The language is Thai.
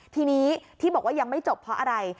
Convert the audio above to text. ทีนี้ที่บอกว่ายังไม่จบเพราะอะไร